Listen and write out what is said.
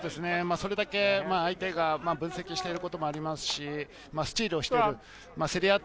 それだけ相手が分析していることもありますし、スチールをしている。